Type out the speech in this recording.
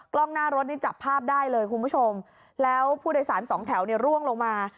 กล้องหน้ารถนี่จับภาพได้เลยคุณผู้ชมแล้วผู้โดยสารสองแถวเนี่ยร่วงลงมา